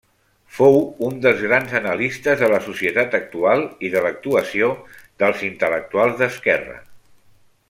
Fou un dels grans analistes de la societat actual i de l'actuació dels intel·lectuals d'esquerra.